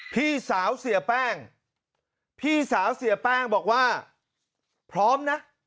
พี่สาวเสียแป้งพี่สาวเสียแป้งบอกว่าพร้อมนะ